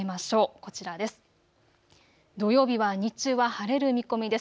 こちらです。